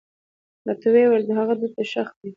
راته ويې ويل هغه مو دلته ښخ کړى و.